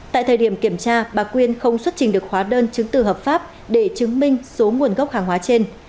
tại thời điểm kiểm tra bà quyên không xuất trình được hóa đơn chứng từ hợp pháp để chứng minh số nguồn gốc hàng hóa trên